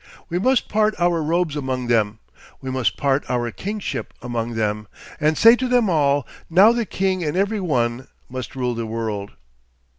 We must part our robes among them, we must part our kingship among them, and say to them all, now the king in every one must rule the world....